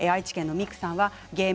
愛知県の方です。